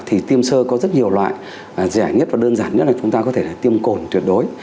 thì tiêm sơ có rất nhiều loại rẻ nhất và đơn giản nhất là chúng ta có thể tiêm cồn tuyệt đối